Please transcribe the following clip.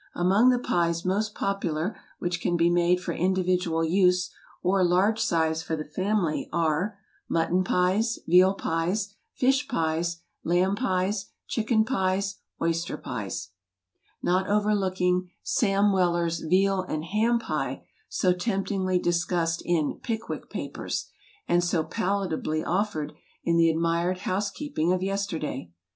Among the pies most popular which can be made for individual use or large size for the family are Mutton Pies Veal Pies Fish Pies * Lamb Pies Chicken Pies Oyster Pies Not overlooking Sam JTeller's Veal and Ham Pie, so temptingly discussed in "Pickwick Papers," and so palatably offered in the ad¬ mired housekeeping of yesterday.